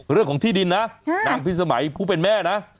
เรื่องของที่ดินนะนางพิสมัยผู้เป็นแม่นะ